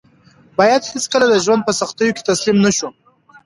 باید هېڅکله د ژوند په سختیو کې تسلیم نه شو.